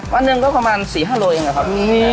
วันหนึ่งก็ประมาณ๔๕โลเองนะครับ